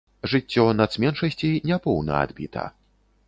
Жыццё нацменшасцей няпоўна адбіта.